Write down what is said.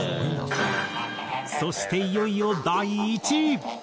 そしていよいよ第１位。